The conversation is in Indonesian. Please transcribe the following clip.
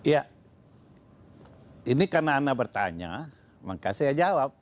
ya ini karena anda bertanya makasih ya jawab